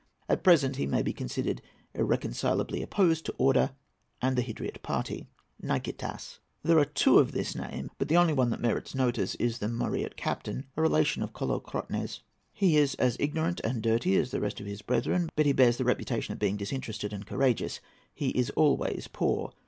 At present he may be considered irreconcilably opposed to order and the Hydriot party. NIKETAS.—There are two of this name; but the only one that merits notice is the Moreot captain, a relation of Kolokrotones. He is as ignorant and dirty as the rest of his brethren, but bears the reputation of being disinterested and courageous. He is always poor.